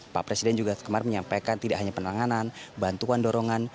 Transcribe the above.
pak presiden juga kemarin menyampaikan tidak hanya penanganan bantuan dorongan